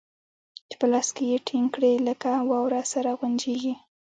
چې په لاس کښې يې ټينګ کړې لکه واوره سره غونجېږي.